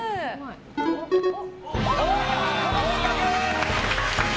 合格！